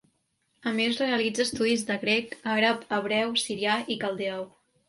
A més realitza estudis de grec, àrab, hebreu, sirià i caldeu.